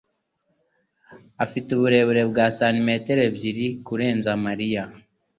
afite uburebure bwa santimetero ebyiri kurenza Mariya